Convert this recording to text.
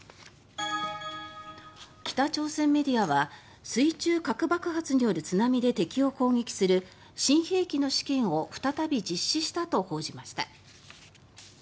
北朝鮮メディアは水中核爆発による津波で敵を攻撃する新兵器の試験を再び実施したと報じました。